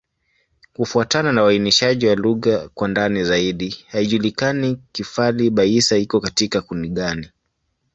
Kufuatana na uainishaji wa lugha kwa ndani zaidi, haijulikani Kifali-Baissa iko katika kundi gani.